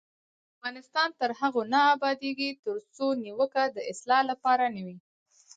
افغانستان تر هغو نه ابادیږي، ترڅو نیوکه د اصلاح لپاره نه وي.